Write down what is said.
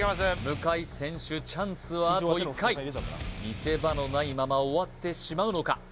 向選手チャンスはあと１回見せ場のないまま終わってしまうのか？